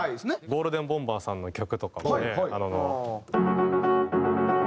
ゴールデンボンバーさんの曲とかもねあの。